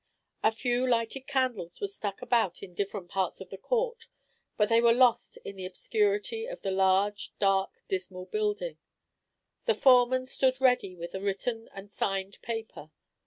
A few lighted candles were stuck about in different parts of the court; but they were lost in the obscurity of the large, dark, dismal building. The foreman stood ready with a written and signed paper.